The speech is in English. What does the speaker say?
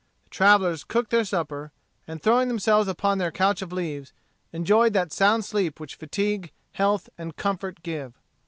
The travellers cooked their supper, and throwing themselves upon their couch of leaves, enjoyed that sound sleep which fatigue, health, and comfort give.